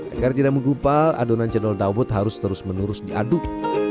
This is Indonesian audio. agar tidak menggupal adonan cendol dawet harus terus menerus diaduk